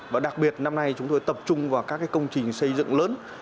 và đặc biệt năm nay chúng tôi tập trung vào các công trình xây dựng lớn